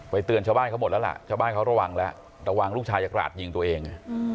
เตือนชาวบ้านเขาหมดแล้วล่ะชาวบ้านเขาระวังแล้วระวังลูกชายจะกราดยิงตัวเอง